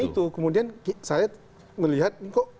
itu kemudian saya melihat